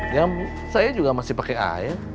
ya saya juga masih pake air